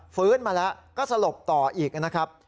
ฟื้นมาแล้วก็สลบต่ออีกนะครับ